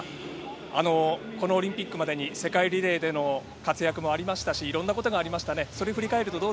このオリンピックまでに世界リレーでの活躍もありましたし、いろんなことがありました。